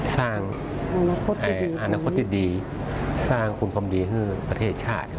สร้างอนาคตที่ดีสร้างคุณความดีให้ประเทศชาติ